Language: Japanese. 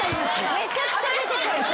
めちゃくちゃ出てくる。